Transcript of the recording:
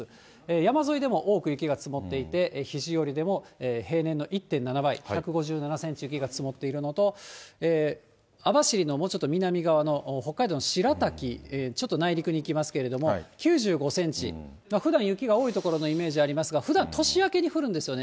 山沿いでも多く雪が積もっていて、肘折でも平年の１．７倍、１５７センチ雪が積もっているのと、網走のもうちょっと南側の北海道の白滝、ちょっと内陸に行きますけれども、９５センチ、ふだん雪が多い所のイメージありますが、ふだん年明けに降るんですよね。